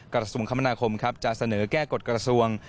กระทรวงคมนาคมครับจะเสนอแก้กฎกระทรวง